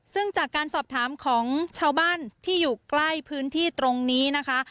ซึ่งจากการสอบถามของชาวบ้านที่อยู่ใกล้พื้นที่ตรงนี้นะคะ